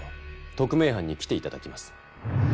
特命班に来て頂きます。